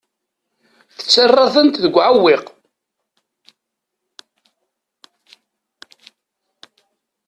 Tettarraḍ-tent deg uɛewwiq.